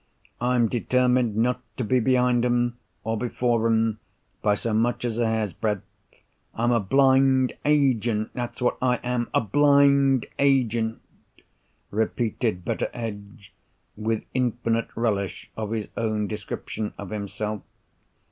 I'm determined not to be behind 'em, or before 'em, by so much as a hair's breadth. I'm a blind agent—that's what I am. A blind agent!" repeated Betteredge, with infinite relish of his own description of himself.